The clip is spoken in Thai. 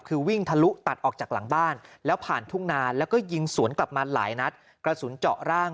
คือวิ่งทะลุตัดออกจากหลังบ้านแล้วผ่านทุ่งนาน